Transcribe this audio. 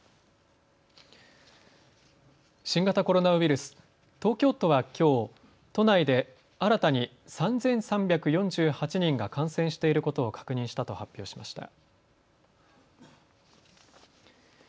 新型コロナウイルス、東京都はきょう都内で新たに３３４８人が感染していることを確認したと発表しました。